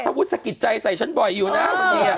ถ้าวุศกิจใจใส่ฉันบ่อยอยู่นะค่ะ